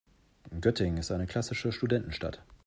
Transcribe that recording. Göttingen ist eine klassische Studentenstadt.